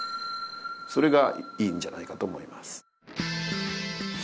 それがいいんじゃないかと思います。